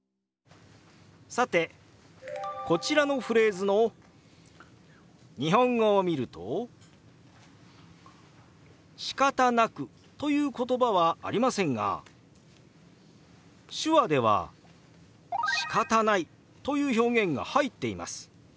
さてこちらのフレーズの日本語を見ると「しかたなく」という言葉はありませんが手話では「しかたない」という表現が入っています。